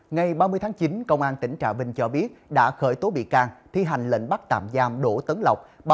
ngày ba mươi tháng chín công an tỉnh trà vinh cho biết đã khởi tố bị can thi hành lệnh bắt tạm giam đỗ tấn lộc